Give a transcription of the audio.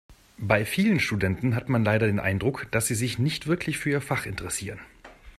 Bei vielen Studenten hat man leider den Eindruck, dass sie sich nicht wirklich für ihr Fach interessieren.